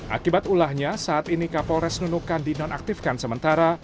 akibat ulahnya saat ini kapolres nunukan dinonaktifkan sementara